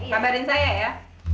kabarin saya ya